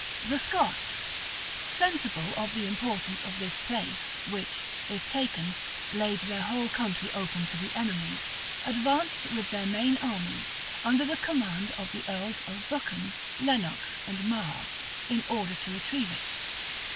The Scots, sensible of the importance of this place, which, if taken, laid their whole country open to the enemy, advanced with their main army, under the command of the earls of Buchan, Lenox, and Marre, in order to relieve it.